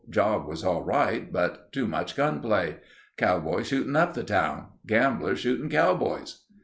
Job was all right, but too much gunplay. Cowboys shooting up the town. Gamblers shooting cowboys."